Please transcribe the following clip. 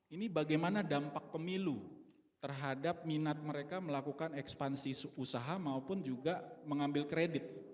ini bagaimana dampak pemilu terhadap minat mereka melakukan ekspansi usaha maupun juga mengambil kredit